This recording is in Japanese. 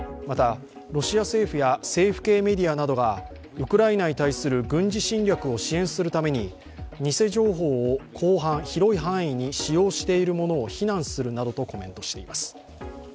また、ロシア政府や政府系メディアなどがウクライナに対する軍事侵略を支援するために偽情報を広い範囲に使用しているものを非難するなどとコメントしています。